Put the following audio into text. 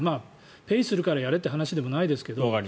ペイするからやれという話でもないですけど。